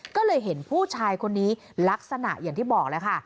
ก็เลยเห็นผู้ชายคนนี้ลักษณะอย่างที่บอกแล้วค่ะ